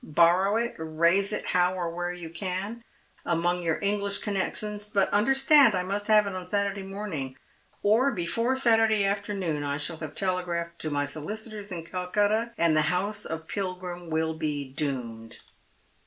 Borrow it, raise it how or where you can, among your English connections, but understami I must have it on Saturday morning, or before Saturday afternoon t shall have telcgiaphed to my solicitors in Calcutta, and the house of Pilgrim will be doomed."